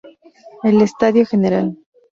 El estadio Gral.